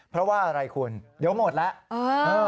เพราะว่าอะไรคุณเดี๋ยวหมดแล้ว